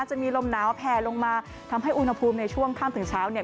จะมีลมหนาวแผ่ลงมาทำให้อุณหภูมิในช่วงค่ำถึงเช้าเนี่ย